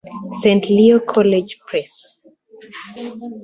Saint Leo College Press.